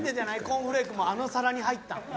コーンフレークもあの皿に入ったん。